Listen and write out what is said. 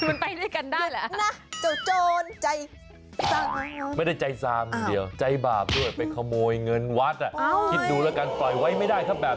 โอ้ยมันไปด้วยกันได้เหรอ